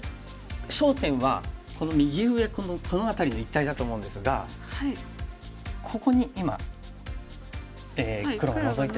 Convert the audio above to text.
焦点はこの右上この辺りの一帯だと思うんですがここに今黒がノゾいて。